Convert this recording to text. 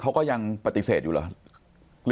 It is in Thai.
เขาก็ยังปฏิเสธอยู่เหรอ